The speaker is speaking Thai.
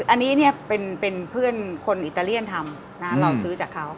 อันนี้เนี่ยเป็นเพื่อนคนอิตาเลียนทำเราซื้อจากเขา